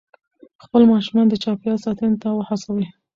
خپل ماشومان د چاپېریال ساتنې ته وهڅوئ.